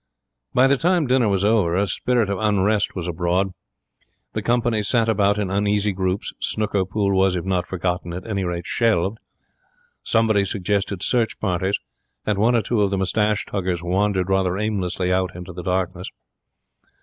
By the time dinner was over a spirit of unrest was abroad. The company sat about in uneasy groups. Snooker pool was, if not forgotten, at any rate shelved. Somebody suggested search parties, and one or two of the moustache tuggers wandered rather aimlessly out into the darkness.